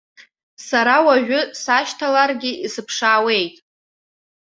Сара уажәы сашьҭаларгьы исыԥшаауеит!